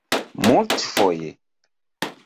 multfoje